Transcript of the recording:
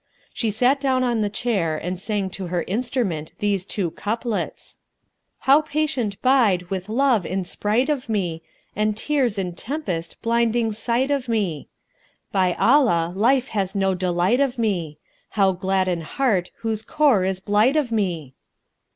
She sat down on the chair and sang to her instrument these two couplets, "How patient bide, with love in sprite of me, * And tears in tempest[FN#190] blinding sight of me? By Allah, life has no delight of me! * How gladden heart whose core is blight of me?"